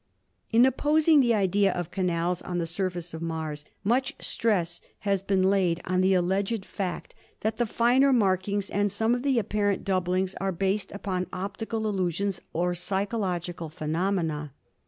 In opposing the idea of canals on the surface of Mars, rmich stress has been laid on the alleged fact that the MARS 191 finer markings and some of the apparent doublings are based upon optical illusions or psychological phenomena.